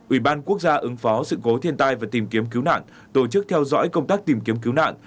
ủy ban quốc gia ứng phó sự cố thiên tai và tìm kiếm cứu nạn tổ chức theo dõi công tác tìm kiếm cứu nạn